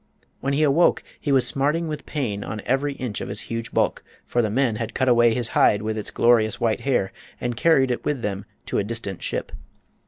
When he awoke he was smarting with pain on every inch of his huge bulk, for the men had cut away his hide with its glorious white hair and carried it with them to a distant ship.